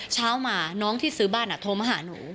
เช้ามาน้องที่ซื้อบ้านโทรมาหาหนู